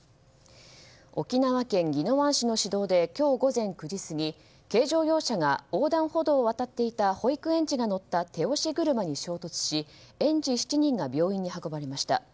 沖縄県宜野湾市の市道で今日午前９時過ぎ軽乗用車が横断歩道を渡っていた保育園児が乗った手押し車に衝突し園児７人が病院に運ばれました。